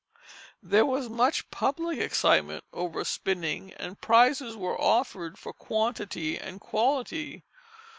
There was much public excitement over spinning, and prizes were offered for quantity and quality.